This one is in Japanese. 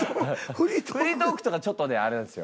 フリートークとかちょっとあれなんですよ。